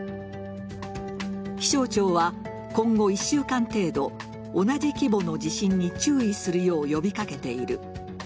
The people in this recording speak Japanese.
気象庁は今後１週間程度同じ規模の地震に注意するよう呼び掛けている。